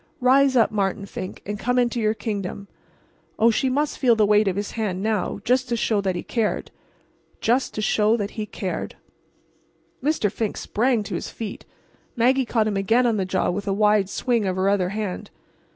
Rise up, Martin Fink, and come into your kingdom! Oh, she must feel the weight of his hand now—just to show that he cared—just to show that he cared! Mr. Fink sprang to his feet—Maggie caught him again on the jaw with a wide swing of her other hand.